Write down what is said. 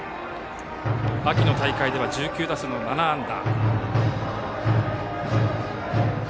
秋の大会では１９打数７安打。